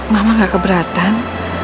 mama nggak keberatan